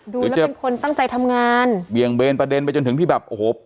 ดูแล้วเป็นคนตั้งใจทำงานเบี่ยงเบนประเด็นไปจนถึงที่แบบโอ้โห